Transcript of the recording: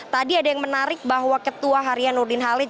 tadi ada yang menarik bahwa ketua harian nurdin halid